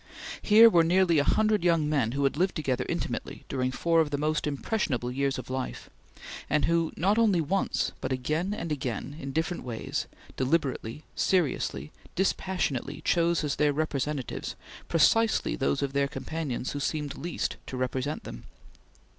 Here were nearly a hundred young men who had lived together intimately during four of the most impressionable years of life, and who, not only once but again and again, in different ways, deliberately, seriously, dispassionately, chose as their representatives precisely those of their companions who seemed least to represent them.